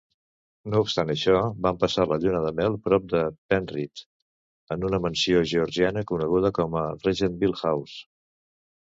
No obstant això, van passar la lluna de mel prop de Penrith, en una mansió georgiana coneguda com a Regentville House.